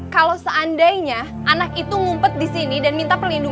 kalau seandainya anak itu ngumpet disini dan minta pelindung